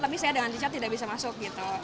tapi saya dengan rica tidak bisa masuk